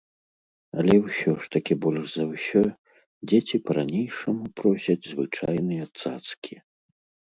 Але ўсё ж такі больш за ўсё дзеці па-ранейшаму просяць звычайныя цацкі!